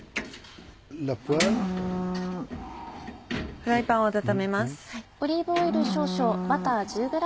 フライパンを温めます。